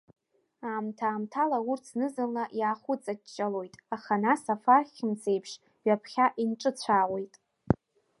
Аамҭа-аамҭала урҭ зны-зынла иаахәыҵаҷҷалоит, аха нас афархь-мцеиԥш ҩаԥхьа инҿыцәаауеит.